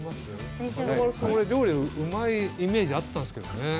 料理がうまいイメージがあったんですけどね。